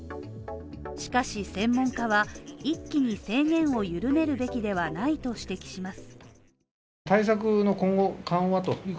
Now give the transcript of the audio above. しかし専門家は一気に制限を緩めるべきではないと指摘します。